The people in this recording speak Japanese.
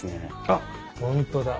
あっ本当だ。